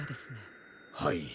はい。